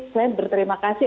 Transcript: saya berterima kasih